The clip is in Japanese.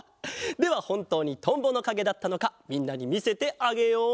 ではほんとうにトンボのかげだったのかみんなにみせてあげよう！